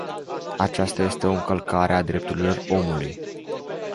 Aceasta este o încălcare a drepturilor omului.